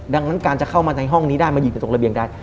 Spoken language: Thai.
ดังนั้นการจะเข้ามาในห้องนี้ได้มายืนอยู่ตรงระเบียงได้